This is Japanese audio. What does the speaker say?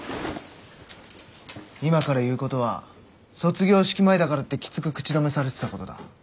今から言うことは卒業式前だからってきつく口止めされてたことだ。